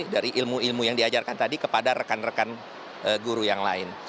dari ilmu ilmu yang diajarkan tadi kepada rekan rekan guru yang lain